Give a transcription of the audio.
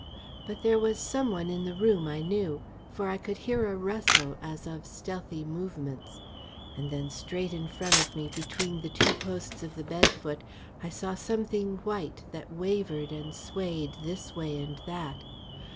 But there was some one in the room I knew, for I could hear a rustle as of stealthy movements. And then straight in front of me between the two posts of the bed foot, I saw something white that wavered and swayed this way and that.